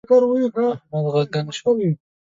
احمد ږغن شو.